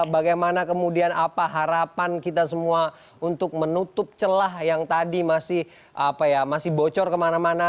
bagaimana kemudian apa harapan kita semua untuk menutup celah yang tadi masih bocor kemana mana